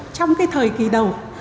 trong cái thời kỳ đầu